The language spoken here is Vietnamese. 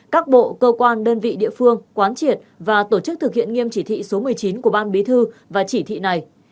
các bộ cơ quan đơn vị địa phương quán triệt và tổ chức thực hiện nghiêm chỉ thị số một mươi chín của ban bí thư và chỉ thị này